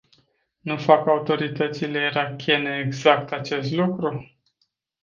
Nu fac autoritățile irakiene exact acest lucru?